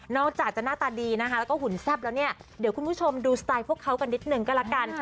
จากจะหน้าตาดีนะคะแล้วก็หุ่นแซ่บแล้วเนี่ยเดี๋ยวคุณผู้ชมดูสไตล์พวกเขากันนิดนึงก็ละกัน